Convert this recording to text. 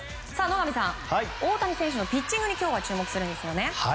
野上さん大谷選手のピッチングに今日は注目するんですよね。